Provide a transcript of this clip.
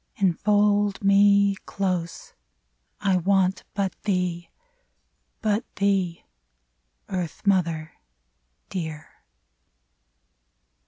Enfold me — close ; I want but thee I But thee. Earth mother dear